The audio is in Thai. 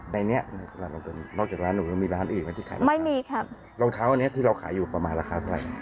ในนี้นอกจากร้านหนูมีร้านอีกไหมที่ขายไม่มีครับรองเท้าอันนี้ที่เราขายอยู่ประมาณราคาเท่าไร